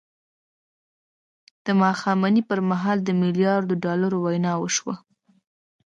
د ماښامنۍ پر مهال د یوه میلیارد ډالرو وینا وشوه